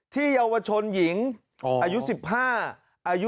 เยาวชนหญิงอายุ๑๕อายุ